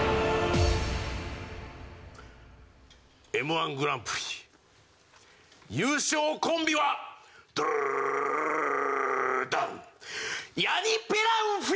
Ｍ−１グランプリ優勝コンビはドゥルルルダン！